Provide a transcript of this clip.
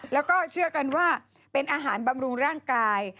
แล้วก็เชื่อกันว่าเป็นอาหารบำรุงร่างกาย